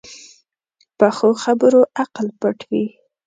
پخو خبرو عقل پټ وي